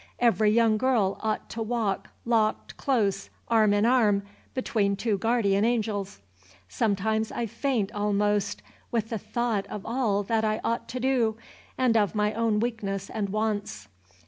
Every young girl ought to walk locked close, arm in arm, between two guardian angels. Sometimes I faint almost with the thought of all that I ought to do, and of my own weakness and wants.